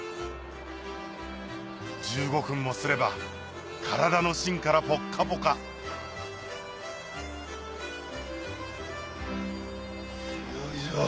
１５分もすれば体のしんからポッカポカよいしょ。